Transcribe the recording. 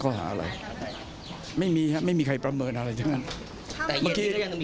อาจารย์คำกันพระพิจารณ์ดูข้อเก่าค่ะของผู้ชมลงที่ดูเหมือนจะไร้แรง